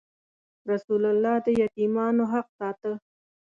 رسول الله د یتیمانو حق ساته.